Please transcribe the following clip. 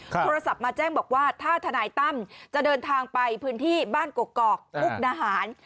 โทรศัพท์มาแจ้งบอกว่าถ้าทนายตั้มจะเดินทางไปพื้นที่บ้านกกอกมุกดาหาร